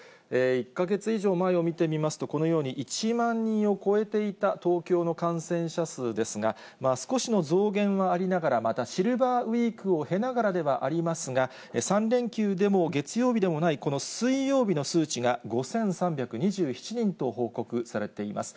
１か月以上前を見てみますと、このように１万人を超えていた東京の感染者数ですが、少しの増減はありながら、またシルバーウィークを経ながらではありますが、３連休でも月曜日でもない、この水曜日の数値が５３２７人と報告されています。